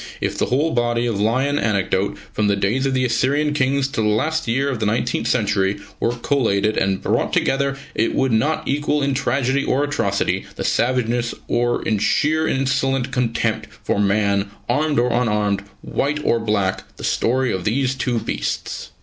If the whole body of lion anecdote, from the days of the Assyrian Kings till the last year of the nineteenth century, were collated and brought together, it would not equal in tragedy or atrocity, in savageness or in sheer insolent contempt for man, armed or unarmed, white or black, the story of these two beasts.